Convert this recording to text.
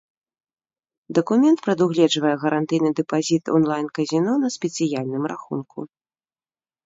Дакумент прадугледжвае гарантыйны дэпазіт онлайн-казіно на спецыяльным рахунку.